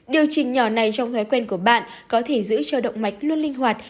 điều trình nhỏ này trong thói quen của bạn có thể giữ cho động mạch luôn linh hoạt